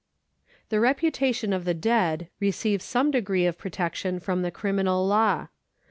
The reputation of the dead receives some degree of pro tection from the criminal law.